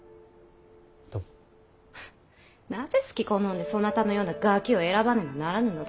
なぜすき好んでそなたのようなガキを選ばねばならぬのだ。